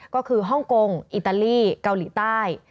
ก็คือฮ่องกงอิตาลีเกาหลีใต้